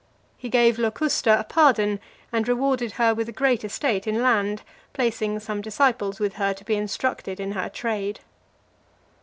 He gave Locusta a pardon, and rewarded her with a great estate in land, placing some disciples with her, to be instructed in her trade.